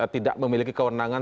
tidak memiliki kewenangan